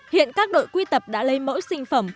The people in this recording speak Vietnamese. hiện các đội quy tập đã lấy mẫu sinh phẩm